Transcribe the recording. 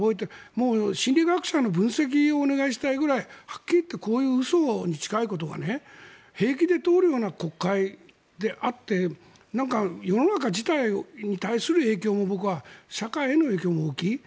もう心理学者の分析をお願いしたいぐらいはっきり言ってこういう嘘に近いことが平気で通るような国会であってなんか世の中自体に対する影響も僕は社会への影響も大きいと。